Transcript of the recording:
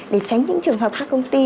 để tránh những trường hợp các công ty